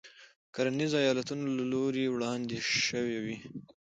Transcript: د کرنیزو ایالتونو له لوري وړاندې شوې وې.